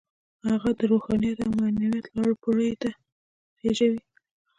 هغه د روحانيت او معنويت لوړو پوړيو ته خېژوي.